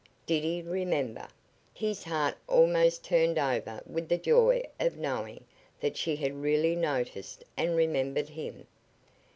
Did he remember! His heart almost turned over with the joy of knowing that she had really noticed and remembered him.